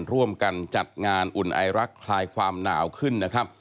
ร่วมกันจัดงานอุ่นไอรักคลายความหนาวขึ้นนะครับ